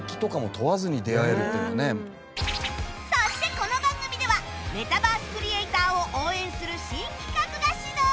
そしてこの番組ではメタバースクリエイターを応援する新企画が始動！